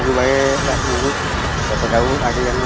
di saat kita kabur dari sini